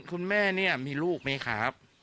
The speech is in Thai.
คุณแม่เนี่ยมีลูกไหมครับ